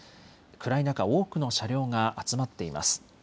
暗い中、多くの車両が集まっています。